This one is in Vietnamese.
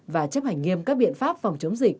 và chấp hành nghiêm các biện pháp phòng chống dịch